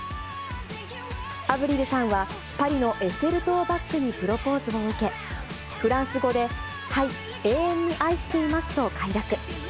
アヴリルさんは、パリのエッフェル塔をバックにプロポーズを受け、フランス語で、はい、永遠に愛していますと快諾。